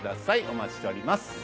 お待ちしております